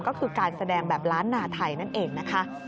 ก็คือการแสดงแบบล้านนาไทยนั่นเองนะคะ